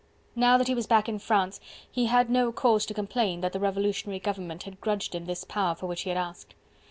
Now that he was back in France he had no cause to complain that the revolutionary government had grudged him this power for which he had asked.